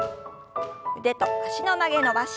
腕と脚の曲げ伸ばし。